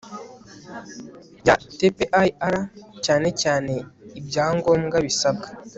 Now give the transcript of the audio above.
ya tpir cyane cyane ibyangombwa bisabwa